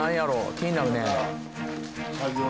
気になるね。